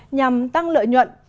nhằm tăng lợi nhuận